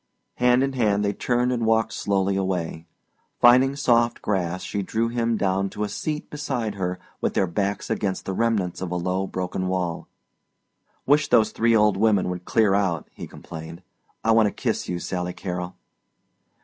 Hand in hand they turned and walked slowly away. Finding soft grass she drew him down to a seat beside her with their backs against the remnants of a low broken wall. "Wish those three old women would clear out," he complained. "I want to kiss you, Sally Carrol."